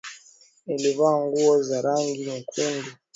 Nilivaa nguo za rangi nyekundu